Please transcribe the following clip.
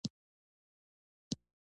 مخالفت کوي.